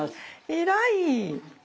偉い。